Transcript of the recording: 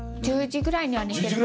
１０時ぐらいには寝る？